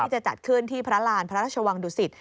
จะจัดขึ้นที่พระราณพระราชวังดุสิต